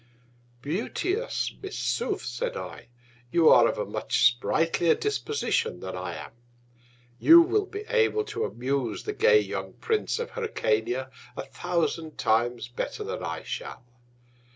Beauteous Missouf, said I, you are of a much sprightlier Disposition than I am; you will be able to amuse the gay young Prince of Hyrcania a thousand Times better than I shall.